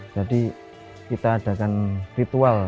jadi kita adakan ritual